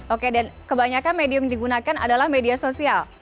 oke dan kebanyakan medium digunakan adalah media sosial